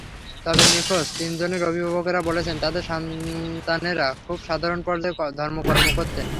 তবে নিখোঁজ তিনজনের অভিভাবকেরা বলছেন, তাঁদের সন্তানেরা খুব সাধারণ পর্যায়ে ধর্মকর্ম করতেন।